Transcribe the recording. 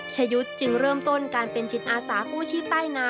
ชายุทธิบชิดหรือสันจบปวสอสาขาช่างยนต์จากเทคนิคสุราธารณี